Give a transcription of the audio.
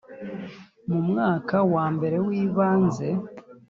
mu mwaka wambere wibanze